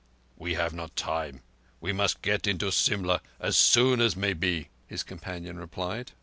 "We have not time. We must get into Simla as soon as may be," his companion replied.